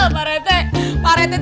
pak rete pak rete